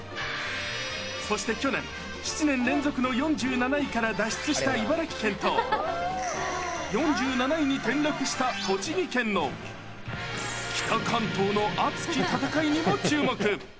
そして去年、７年連続の４７位から脱出した茨城県と、４７位に転落した栃木県の北関東の熱き戦いにも注目。